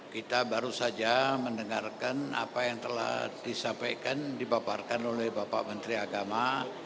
kira baru saja mendengarten apa yang telah disintaikan dibaparkan oleh bapak menteri agama